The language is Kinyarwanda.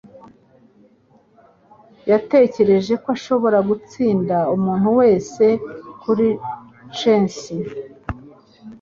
Yatekereje ko ashobora gutsinda umuntu wese kuri chess